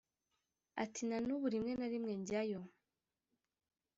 Ati “ Na n’ubu rimwena rimwe jyayo